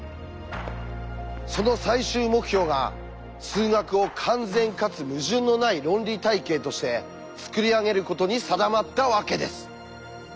その最終目標が数学を完全かつ矛盾のない論理体系として作り上げることに定まったわけです。